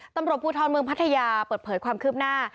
ตำรวจภูทรเมืองพัทยาเปิดเผยความคืบหน้า